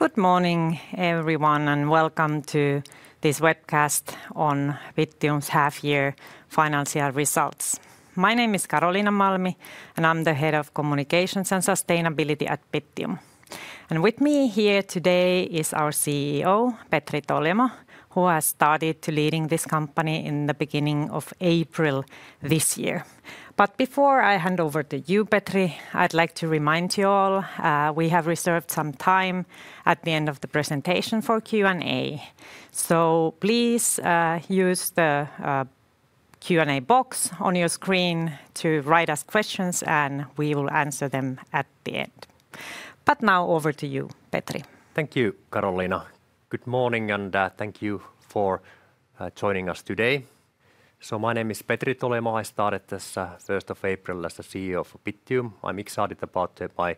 Good morning, everyone, and welcome to this Webcast on Bittium's Half-Year Financial Results. My name is Karoliina Malmi, and I'm the Head of Communications and Sustainability at Bittium. With me here today is our CEO, Petri Toljamo, who has started leading this company in the beginning of April this year. Before I hand over to you, Petri, I'd like to remind you all we have reserved some time at the end of the presentation for Q&A. Please use the Q&A box on your screen to write us questions, and we will answer them at the end. Now over to you, Petri. Thank you, Karoliina. Good morning, and thank you for joining us today. My name is Petri Toljamo. I started this 1st of April as the CEO of Bittium. I'm excited about my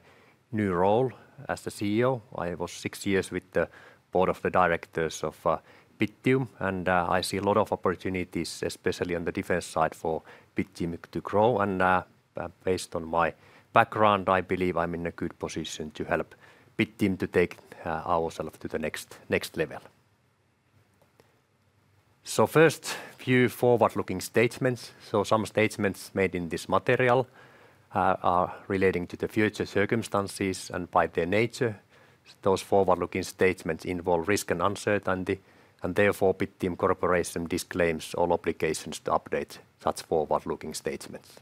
new role as the CEO. I was six years with the Board of Directors of Bittium, and I see a lot of opportunities, especially on the defense side, for Bittium to grow. Based on my background, I believe I'm in a good position to help Bittium take ourselves to the next level. First, a few forward-looking statements. Some statements made in this material are relating to the future circumstances and by their nature. Those forward-looking statements involve risk and uncertainty, and therefore Bittium Corporation disclaims all obligations to update such forward-looking statements.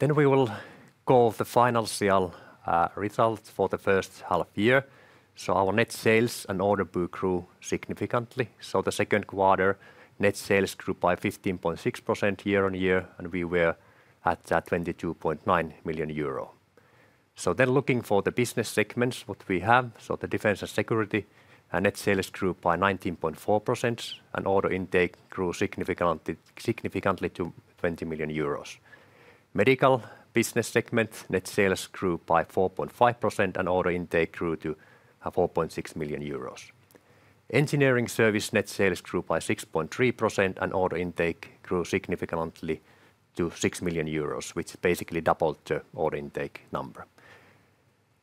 We will go over the financial results for the first half year. Our net sales and order book grew significantly. The second quarter net sales grew by 15.6% year-on-year, and we were at 22.9 million euro. Looking for the business segments, what we have: the defense and security net sales grew by 19.4%, and order intake grew significantly to 20 million euros. Medical business segment net sales grew by 4.5%, and order intake grew to 4.6 million euros. Engineering service net sales grew by 6.3%, and order intake grew significantly to 6 million euros, which basically doubled the order intake number.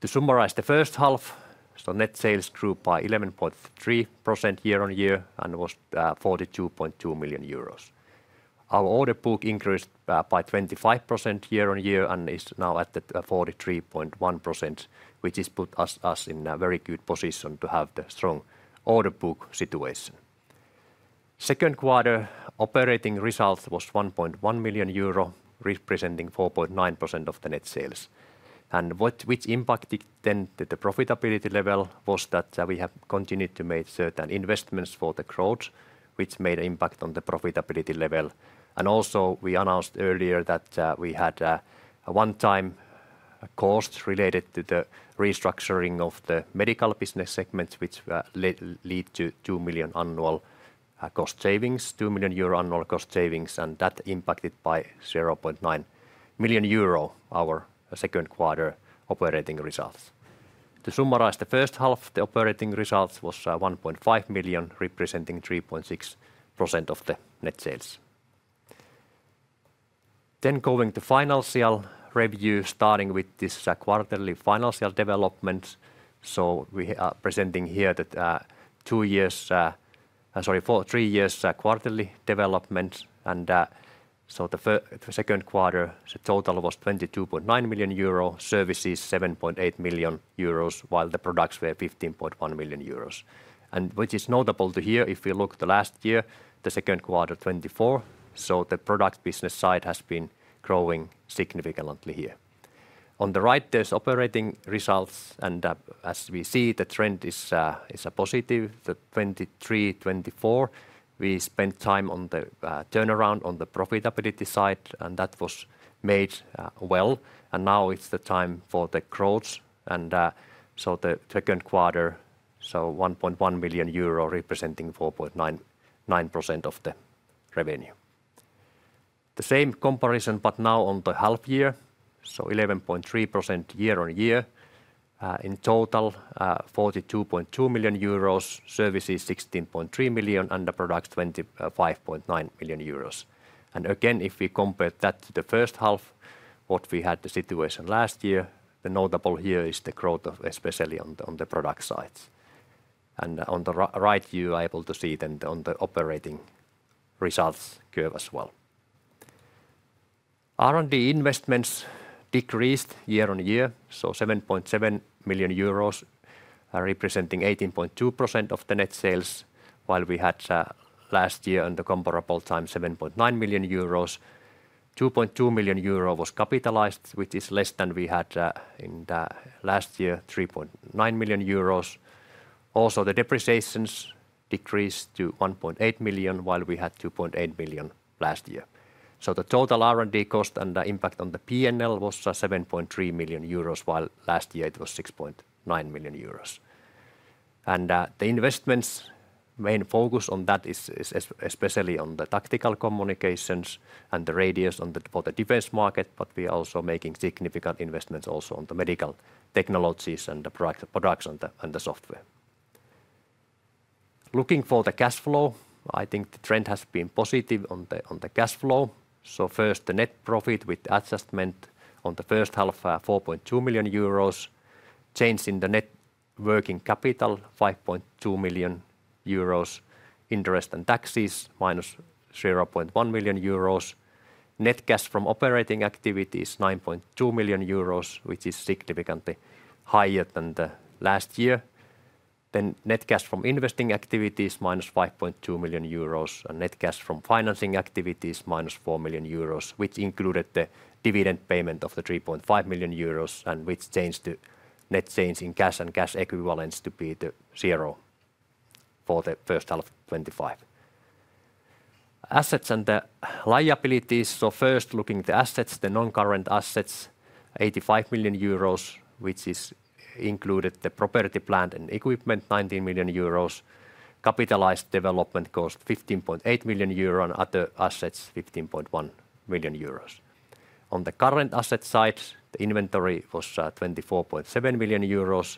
To summarize the first half, net sales grew by 11.3% year-on-year and was 42.2 million euros. Our order book increased by 25% year-on-year and is now at 43.1%, which puts us in a very good position to have the strong order book situation. Second quarter operating result was 1.1 million euro, representing 4.9% of the net sales. What impacted the profitability level was that we have continued to make certain investments for the growth, which made an impact on the profitability level. We announced earlier that we had a one-time cost related to the restructuring of the medical business segments, which led to 2 million annual cost savings, and that impacted by 0.9 million euro our second quarter operating result. To summarize the first half, the operating result was 1.5 million, representing 3.6% of the net sales. Going to financial review, starting with this quarterly financial developments. We are presenting here that two years, sorry, for three years quarterly developments. The second quarter, the total was 22.9 million euro, services 7.8 million euros, while the products were 15.1 million euros. Which is notable to hear, if you look at last year, the second quarter 2024, the product business side has been growing significantly here. On the right, there's operating results, and as we see, the trend is positive. In 2023-2024 we spent time on the turnaround on the profitability side, and that was made well. Now it's the time for the growth. The second quarter, 1.1 million euro, representing 4.9% of the revenue. The same comparison, but now on the half year, 11.3% year-on-year. In total, 42.2 million euros, services 16.3 million, and the products 25.9 million euros. If we compare that to the first half, what we had the situation last year, the notable here is the growth, especially on the product sides. On the right, you are able to see then on the operating results curve as well. R&D investments decreased year-on-year, EUR 7.7 million, representing 18.2% of the net sales, while we had last year on the comparable time 7.9 million euros. 2.2 million euro was capitalized, which is less than we had in the last year, 3.9 million euros. Also, the depreciations decreased to 1.8 million, while we had 2.8 million last year. The total R&D cost and the impact on the P&L was 7.3 million euros, while last year it was 6.9 million euros. The investments, main focus on that is especially on the tactical communications and the radios for the defense market, but we are also making significant investments also on the medical technologies and the products and the software. Looking for the cash flow, I think the trend has been positive on the cash flow. First, the net profit with adjustment on the first half, 4.2 million euros, change in the net working capital, 5.2 million euros, interest and taxes -0.1 million euros, net cash from operating activities, 9.2 million euros, which is significantly higher than last year. Net cash from investing activities, -5.2 million euros, and net cash from financing activities, -4 million euros, which included the dividend payment of 3.5 million euros, which changed the net change in cash and cash equivalents to be zero for the first half 2025. Assets and the liabilities, first looking at the assets, the non-current assets, 85 million euros, which included the property, plant and equipment, 19 million euros. Capitalized development cost 15.8 million euros and other assets, 15.1 million euros. On the current asset side, the inventory was 24.7 million euros,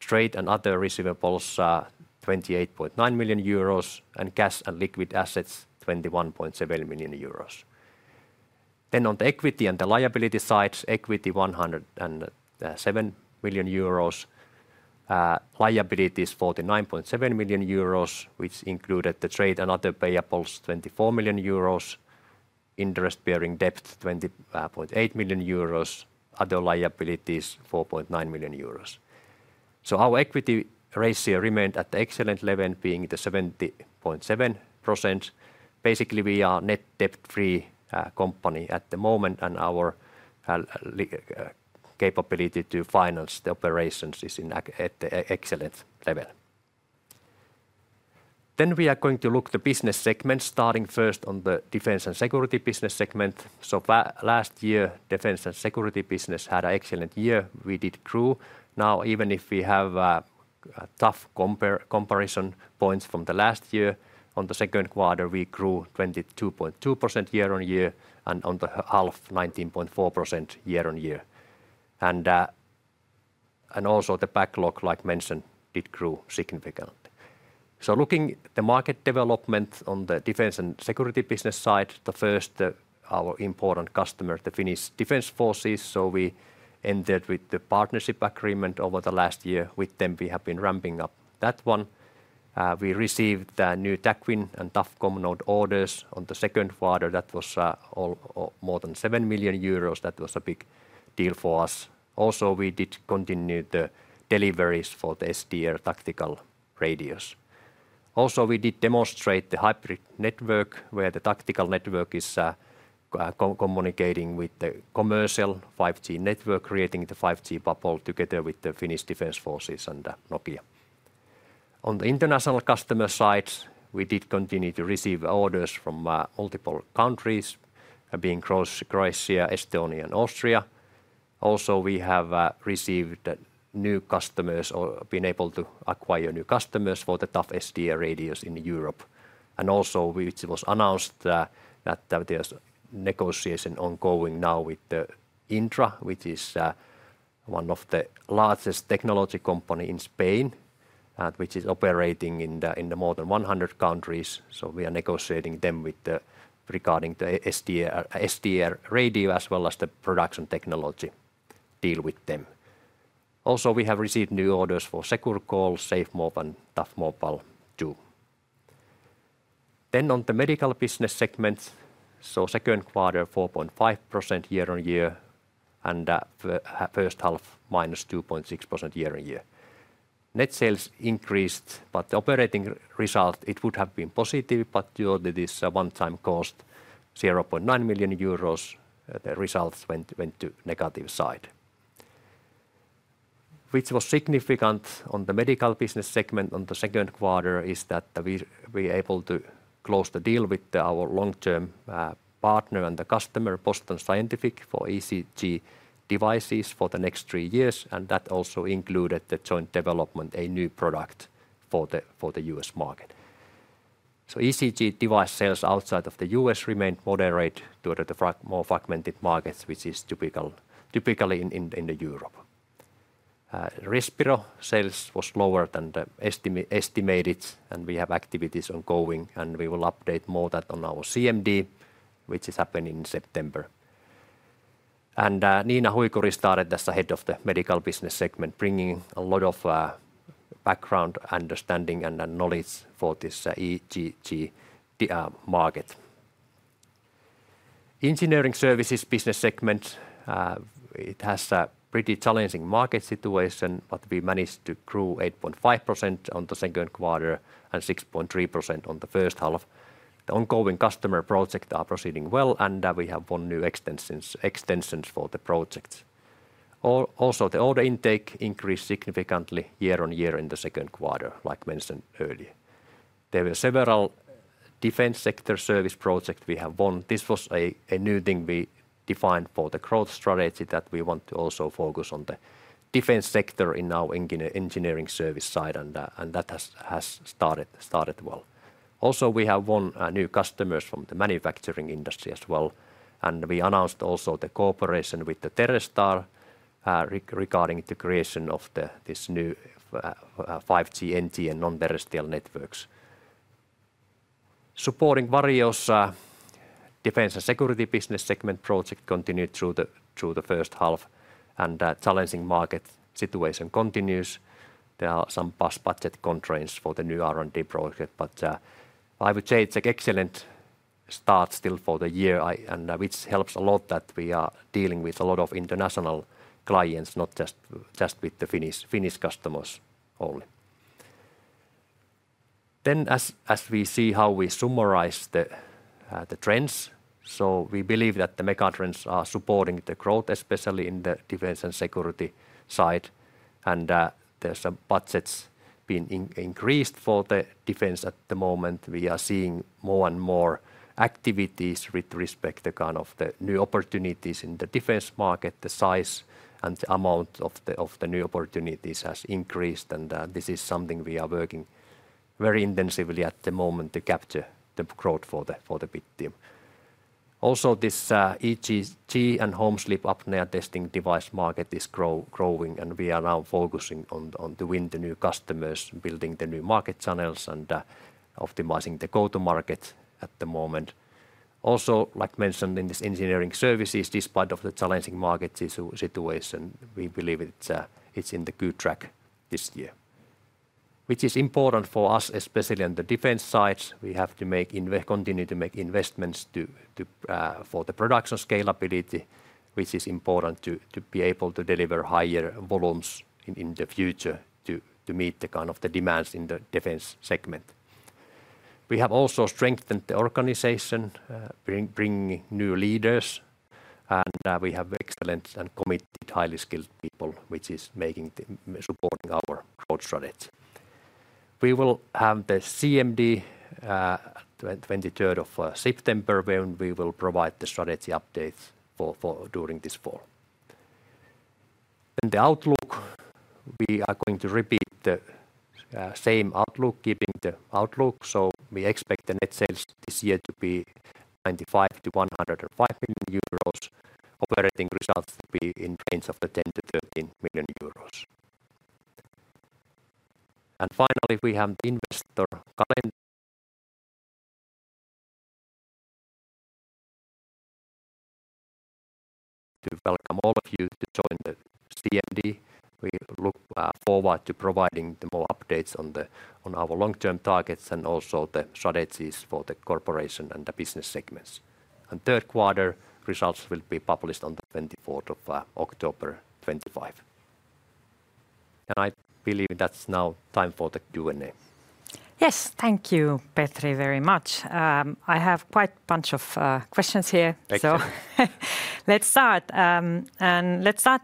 trade and other receivables, 28.9 million euros, and cash and liquid assets, 21.7 million euros. On the equity and the liability side, equity 107 million euros, liabilities 49.7 million euros, which included the trade and other payables, 24 million euros, interest-bearing debt, 20.8 million euros, other liabilities, 4.9 million euros. Our equity ratio remained at the excellent level, being 70.7%. Basically, we are a net debt-free company at the moment, and our capability to finance the operations is at the excellent level. We are going to look at the business segments, starting first on the defense and security business segment. Last year, defense and security business had an excellent year. We did grow. Even if we have tough comparison points from last year, in the second quarter, we grew 22.2% year-on-year, and in the half, 19.4% year-on-year. Also, the backlog, like mentioned, did grow significantly. Looking at the market development on the defense and security business side, first, our important customer, the Finnish Defence Forces, we ended with the partnership agreement over last year. With them, we have been ramping up that one. We received the new TAC WIN and TAFCOM node orders in the second quarter. That was all more than 7 million euros. That was a big deal for us. Also, we did continue the deliveries for the software-defined radio tactical radios. We did demonstrate the hybrid network where the tactical network is communicating with the commercial 5G network, creating the 5G bubble together with the Finnish Defence Forces and Nokia. On the international customer side, we did continue to receive orders from multiple countries, being Croatia, Estonia, and Austria. We have received new customers or been able to acquire new customers for the TAF SDR radios in Europe. Also, which was announced, there's negotiation ongoing now with Indra, which is one of the largest technology companies in Spain, which is operating in more than 100 countries. We are negotiating with them regarding the SDR radio as well as the production technology deal with them. We have received new orders for securCall, SafeMove, and Tough Mobile 2. In the medical business segment, in the second quarter, 4.5% year-on-year, and the first half -2.6% year-on-year. Net sales increased, but the operating result, it would have been positive, but due to this one-time cost, 0.9 million euros, the results went to the negative side. What was significant on the medical business segment in the second quarter is that we were able to close the deal with our long-term partner and the customer, Boston Scientific, for ECG devices for the next three years, and that also included the joint development, a new product for the U.S. market. ECG device sales outside of the U.S. remained moderate due to the more fragmented markets, which is typical in Europe. Respiro sales were lower than estimated, and we have activities ongoing, and we will update more of that on our CMD, which is happening in September. Niina Huikuri started as Head of the Medical Business Segment, bringing a lot of background understanding and knowledge for this ECG market. Engineering services business segment, it has a pretty challenging market situation, but we managed to grow 8.5% in the second quarter and 6.3% in the first half. The ongoing customer projects are proceeding well, and we have won new extensions for the projects. Also, the order intake increased significantly year-on-year in the second quarter, like mentioned earlier. There were several defense sector service projects we have won. This was a new thing we defined for the growth strategy that we want to also focus on the defense sector in our engineering service side, and that has started well. We have won new customers from the manufacturing industry as well, and we announced also the cooperation with Terrestar regarding the creation of this new 5G NTN and non-terrestrial networks. Supporting various defense and security business segment projects continued through the first half, and the challenging market situation continues. There are some budget constraints for the new R&D project, but I would say it's an excellent start still for the year, which helps a lot that we are dealing with a lot of international clients, not just with the Finnish customers only. As we see how we summarize the trends, we believe that the megatrends are supporting the growth, especially in the defense and security side, and there's a budget being increased for the defense at the moment. We are seeing more and more activities with respect to kind of the new opportunities in the defense market. The size and the amount of the new opportunities has increased, and this is something we are working very intensively at the moment to capture the growth for Bittium. Also, this ECG and home sleep apnea testing device market is growing, and we are now focusing on to win the new customers, building the new market channels, and optimizing the go-to-market at the moment. Also, like mentioned in this engineering services, despite the challenging market situation, we believe it's in the good track this year, which is important for us, especially on the defense side. We have to continue to make investments for the production scalability, which is important to be able to deliver higher volumes in the future to meet the kind of demands in the defense segment. We have also strengthened the organization, bringing new leaders, and we have excellent and committed, highly skilled people, which is supporting our growth strategy. We will have the CMD on the 23rd of September, where we will provide the strategy updates during this fall. The outlook, we are going to repeat the same outlook, keeping the outlook. We expect the net sales this year to be 95 million-105 million euros. Operating results will be in the range of 10 million-13 million euros. Finally, we have the investor to welcome all of you to join the CMD. We look forward to providing more updates on our long-term targets and also the strategies for the corporation and the business segments. Third quarter results will be published on the 24th of October 2025. I believe that's now time for the Q&A. Yes, thank you, Petri, very much. I have quite a bunch of questions here. Thank you. Let's start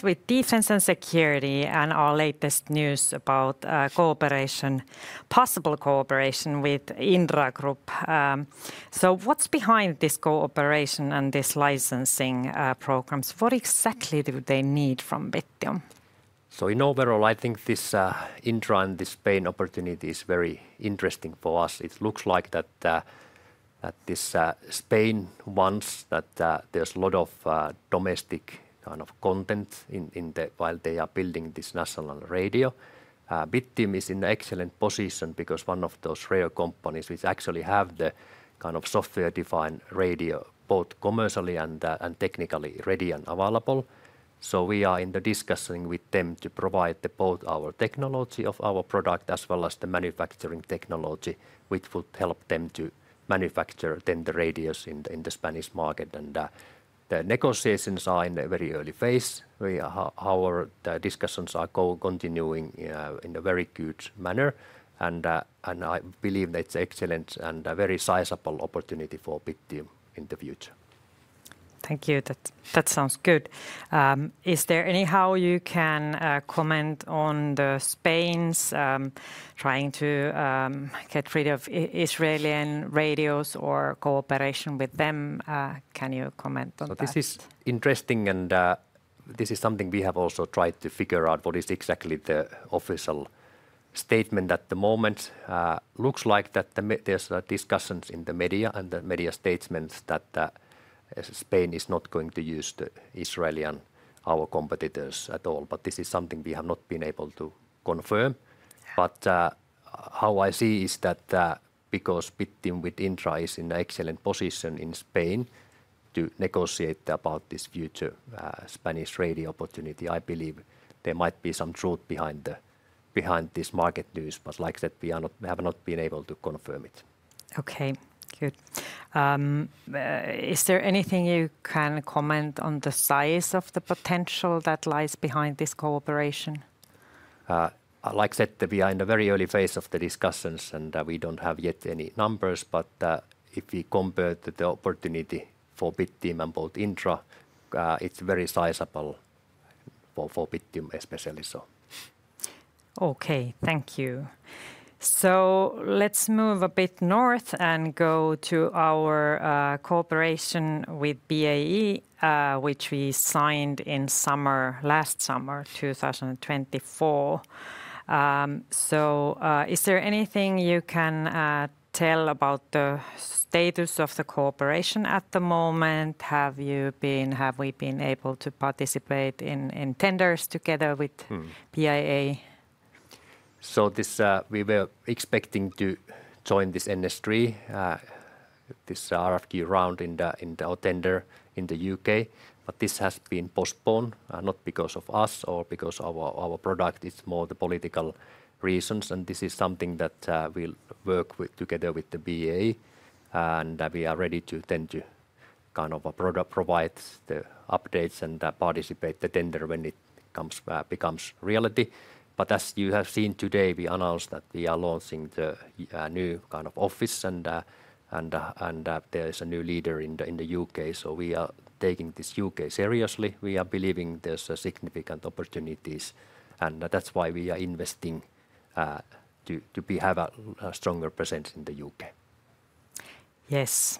with defense and security and our latest news about possible cooperation with Indra Group. What's behind this cooperation and this licensing program? What exactly do they need from Bittium? Overall, I think this Indra and this Spain opportunity is very interesting for us. It looks like that Spain wants that there's a lot of domestic kind of content while they are building this national radio. Bittium is in an excellent position because one of those rare companies which actually have the kind of software-defined radio, both commercially and technically ready and available. We are in the discussion with them to provide both our technology of our product as well as the manufacturing technology, which would help them to manufacture then the radios in the Spanish market. The negotiations are in a very early phase. Our discussions are continuing in a very good manner, and I believe that it's an excellent and very sizable opportunity for Bittium in the future. Thank you. That sounds good. Is there anything you can comment on Spain's trying to get rid of Israeli radios or cooperation with them? Can you comment on that? This is interesting, and this is something we have also tried to figure out what is exactly the official statement at the moment. It looks like that there's discussions in the media and the media statements that Spain is not going to use the Israeli and our competitors at all. This is something we have not been able to confirm. How I see is that because Bittium with Indra is in an excellent position in Spain to negotiate about this future Spanish radio opportunity, I believe there might be some truth behind this market news. Like I said, we have not been able to confirm it. Okay, good. Is there anything you can comment on the size of the potential that lies behind this cooperation? Like I said, we are in the very early phase of the discussions, and we don't have yet any numbers. If we compare the opportunity for Bittium and both Indra, it's very sizable for Bittium especially. Okay, thank you. Let's move a bit north and go to our cooperation with BAE, which we signed in summer, last summer, 2024. Is there anything you can tell about the status of the cooperation at the moment? Have you been, have we been able to participate in tenders together with BIA? We were expecting to join this industry, this RFQ round in the tender in the U.K.. This has been postponed, not because of us or because our product is more. Political reasons. This is something that we'll work together with BAE. We are ready to tend to kind of provide the updates and participate in the tender when it becomes reality. As you have seen today, we announced that we are launching the new kind of office, and there is a new leader in the U.K.. We are taking this U.K. seriously. We are believing there's significant opportunities. That's why we are investing to have a stronger presence in the U.K.. Yes.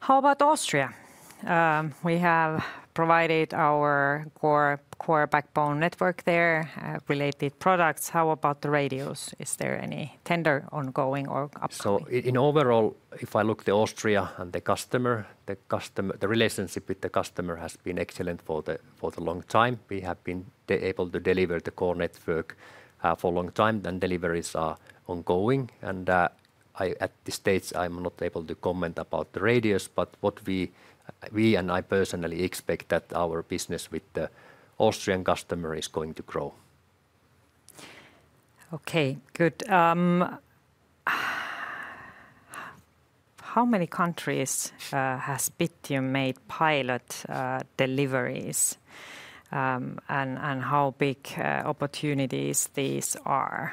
How about Austria? We have provided our core backbone network there, related products. How about the radios? Is there any tender ongoing? Overall, if I look at Austria and the customer, the relationship with the customer has been excellent for a long time. We have been able to deliver the core network for a long time. Deliveries are ongoing. At this stage, I'm not able to comment about the radios, but what we and I personally expect is that our business with the Austrian customer is going to grow. Okay, good. How many countries has Bittium made pilot deliveries? How big opportunities these are?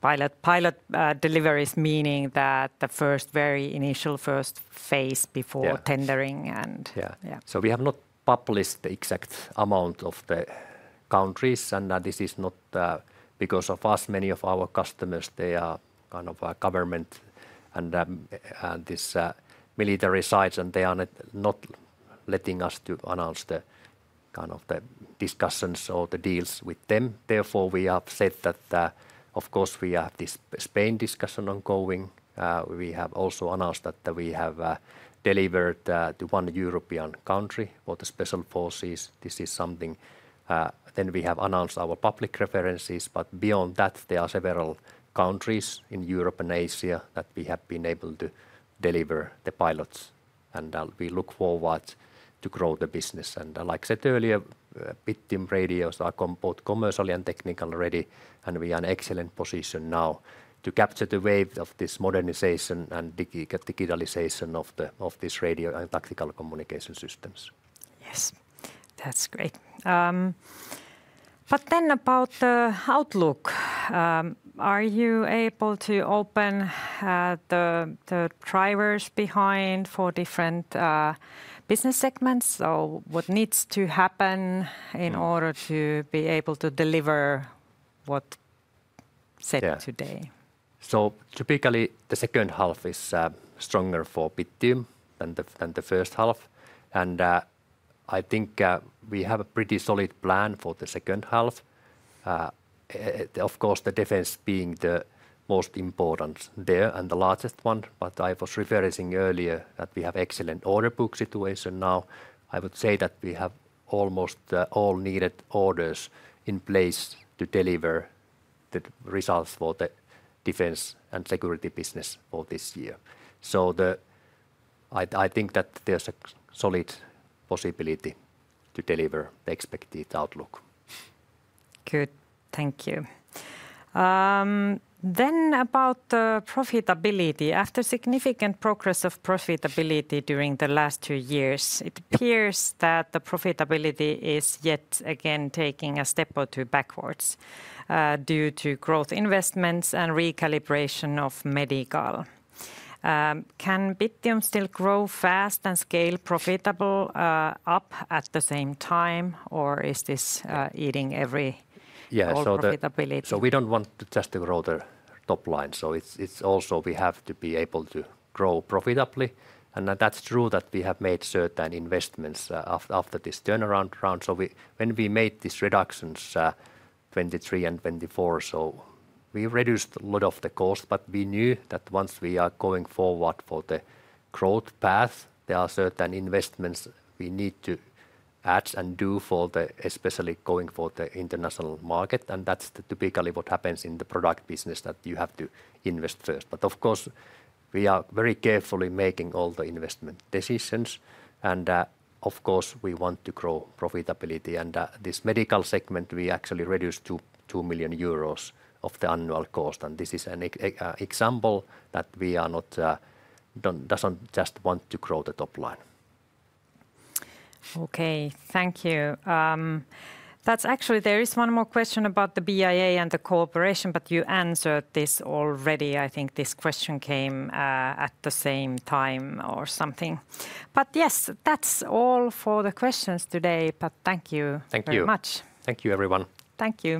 Pilot deliveries, meaning that the first very initial first phase before tendering. We have not published the exact amount of the countries. This is not because of us. Many of our customers, they are kind of government and this military side, and they are not letting us announce the kind of the discussions or the deals with them. Therefore, we have said that, of course, we have this Spain discussion ongoing. We have also announced that we have delivered to one European country for the special forces. This is something. We have announced our public references. Beyond that, there are several countries in Europe and Asia that we have been able to deliver the pilots. We look forward to grow the business. Like I said earlier, Bittium radios are both commercially and technically ready. We are in an excellent position now to capture the wave of this modernization and digitalization of this radio and tactical communication systems. Yes, that's great. About the outlook, are you able to open the drivers behind for different business segments? What needs to happen in order to be able to deliver what's said today? Typically, the second half is stronger for Bittium than the first half. I think we have a pretty solid plan for the second half. Of course, the defense being the most important there and the largest one. I was referencing earlier that we have an excellent order book situation now. I would say that we have almost all needed orders in place to deliver the results for the defense and security business for this year. I think that there's a solid possibility to deliver the expected outlook. Good, thank you. About the profitability, after significant progress of profitability during the last two years, it appears that the profitability is yet again taking a step or two backwards due to growth investments and recalibration of medical. Can Bittium still grow fast and scale profitable up at the same time, or is this eating every profitability? We don't want just to grow the top line. We have to be able to grow profitably. It's true that we have made certain investments after this turnaround round. When we made these reductions, 2023 and 2024, we reduced a lot of the cost. We knew that once we are going forward for the growth path, there are certain investments we need to add and do, especially going for the international market. That's typically what happens in the product business, that you have to invest first. Of course, we are very carefully making all the investment decisions. Of course, we want to grow profitability. In this medical segment, we actually reduced to 2 million euros of the annual cost. This is an example that we are not, doesn't just want to grow the top line. Okay, thank you. There is one more question about the BIA and the cooperation, but you answered this already. I think this question came at the same time or something. Yes, that's all for the questions today. Thank you very much. Thank you, everyone. Thank you.